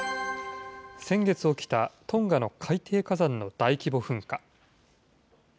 先月起きた、トンガの海底火山の大規模噴火。